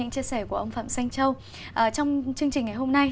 trong chương trình ngày hôm nay